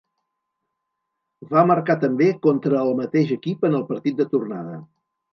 Va marcar també contra el mateix equip en el partit de tornada.